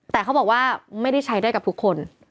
แต่เขาบอกว่าไม่ได้ใช้ได้กับทุกคน